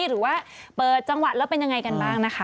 หรือว่าเปิดจังหวัดแล้วเป็นยังไงกันบ้างนะคะ